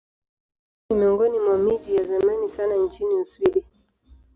Huu ni miongoni mwa miji ya zamani sana nchini Uswidi.